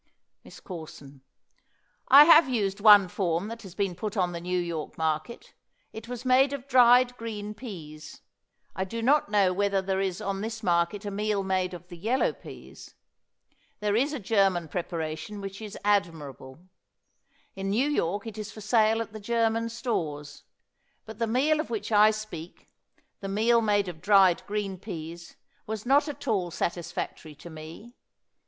MISS CORSON. I have used one form that has been put on the New York market. It was made of dried green peas. I do not know whether there is on this market a meal made of the yellow peas. There is a German preparation which is admirable. In New York it is for sale at the German stores; but the meal of which I speak, the meal made of dried green peas, was not at all satisfactory to me.